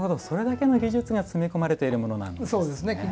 それだけの技術が詰め込まれているものなんですね。